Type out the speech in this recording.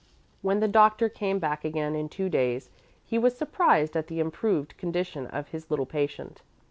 When the doctor came back again in two days he was surprised at the improved condition of his little patient.